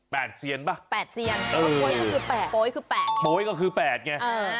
แปดเซียนปะแปดเซียนโป๊ยก็คือแปดโป๊ยก็คือแปดไงอ่า